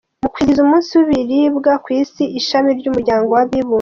Mu kwizihiza umunsi w’ibiribwa ku Isi, Ishami ry’Umuryango w’Abibumbye.